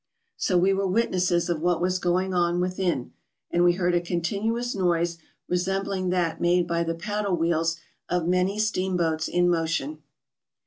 So we were witnesses of what was going on within ; and we heard a continuous noise resem¬ bling that made by the paddle wheels of many steam¬ boats in motion.